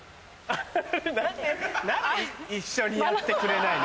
何で一緒にやってくれないの？